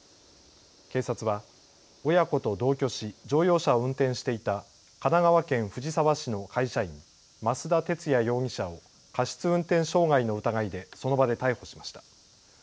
警察は親子と同居し乗用車を運転していた神奈川県藤沢市の会社員、増田哲也容疑者を過失運転傷害の疑いでその場で逮捕しました。